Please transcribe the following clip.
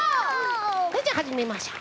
それじゃはじめましょう。